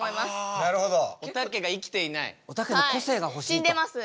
はい死んでます。